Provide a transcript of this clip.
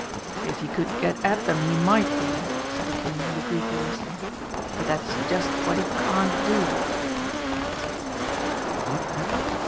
"If he could get at them he might be," said the King lugubriously; "but that's just what he can't do!"